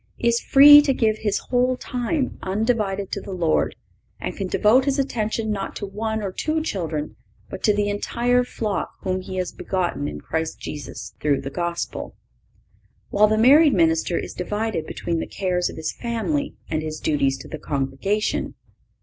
is free to give his whole time undivided to the Lord, and can devote his attention not to one or two children, but to the entire flock whom he has begotten in Christ Jesus, through the Gospel; while the married minister is divided between the cares of his family and his duties to the congregation.